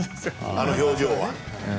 あの表情は。